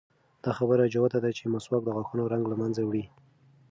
دا خبره جوته ده چې مسواک د غاښونو زنګ له منځه وړي.